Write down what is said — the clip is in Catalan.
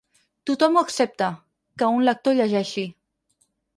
Tothom ho accepta, que un lector llegeixi.